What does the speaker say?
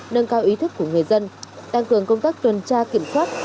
nâng cao ý thức của người dân tăng cường công tác tuần tra kiểm soát